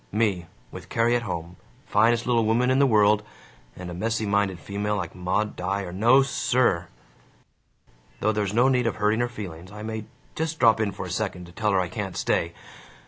Me, with Carrie at home, finest little woman in the world, and a messy minded female like Maud Dyer no, SIR! Though there's no need of hurting her feelings. I may just drop in for a second, to tell her I can't stay.